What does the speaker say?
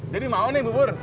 jadi mau nih bubur